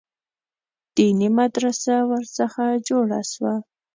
دیني مدرسه ورڅخه جوړه سوه.